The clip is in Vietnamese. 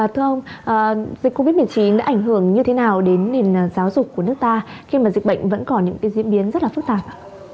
thưa ông dịch covid một mươi chín đã ảnh hưởng như thế nào đến nền giáo dục của nước ta khi mà dịch bệnh vẫn còn những diễn biến rất là phức tạp